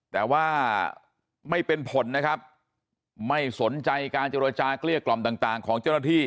แต่ว่าไม่เป็นผลนะครับไม่สนใจการเจรจาเกลี้ยกล่อมต่างของเจ้าหน้าที่